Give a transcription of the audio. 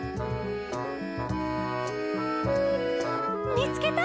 「みつけた！